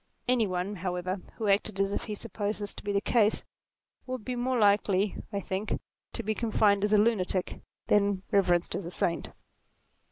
Any one, however, who acted as if he supposed this to be the case, would be more likely, I think, to be confined as a lunatic, than reverenced as a saint.